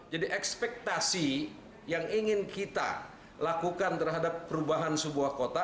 jadi ekspektasi yang ingin kita lakukan terhadap perubahan sebuah kota